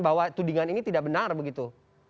bahwa tudingan ini tidak benar begitu